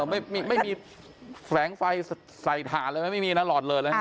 นี่เหรอไม่มีแสงไฟใส่ถ่านเลยไม่มีหลอดเลย